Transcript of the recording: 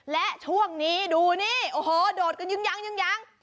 และช่วงนี้ดูนี่โอ้โหโดดกันยัง